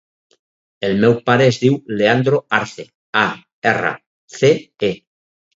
El meu pare es diu Leandro Arce: a, erra, ce, e.